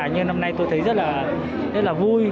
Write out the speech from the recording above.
nhưng năm nay tôi thấy rất là vui